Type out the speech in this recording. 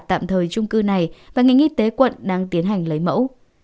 tạm thời trung cư này và ngành y tế quận đang tiến hành lấy mẫu